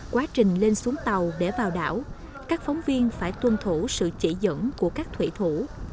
quá trình lên xuống tàu để vào đảo các phóng viên phải tuân thủ sự chỉ dẫn của các thủy thủ